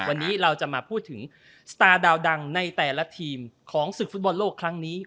วันนี้เราจะมาพูดถึงสตาร์ดาวดังในแต่ละทีมของศึกฟุตบอลโลกครั้งนี้